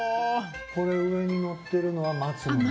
これ上にのってるのは松の実？